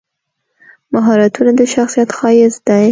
مهارتونه د شخصیت ښایست دی.